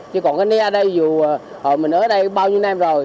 chứ còn cái né ở đây dù hồi mình ở đây bao nhiêu năm rồi